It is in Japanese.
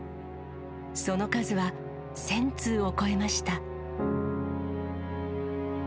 その数は、１０００通を超えました。